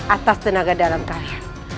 atas tenaga dalam kalian